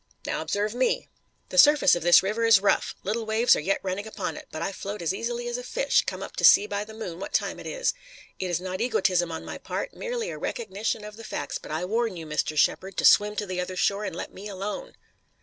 Now observe me. The surface of this river is rough. Little waves are yet running upon it, but I float as easily as a fish, come up to see by the moon what time it is. It is not egotism on my part, merely a recognition of the facts, but I warn you, Mr. Shepard, to swim to the other shore and let me alone."